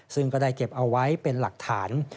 ซึ่งก็ได้เก็บเอาไว้เป็นหลักฐาน